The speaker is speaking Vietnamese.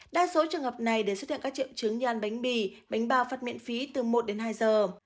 đa số trường hợp này đều xuất hiện các triệu chứng như ăn bánh mì bánh bao phát miễn phí từ một đến hai giờ